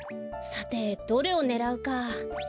さてどれをねらうか。